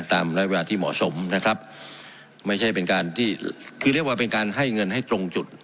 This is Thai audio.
ระยะเวลาที่เหมาะสมนะครับไม่ใช่เป็นการที่คือเรียกว่าเป็นการให้เงินให้ตรงจุด